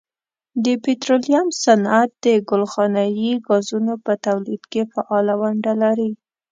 د پټرولیم صنعت د ګلخانهیي ګازونو په تولید کې فعاله ونډه لري.